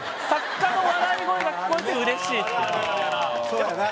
そうやな。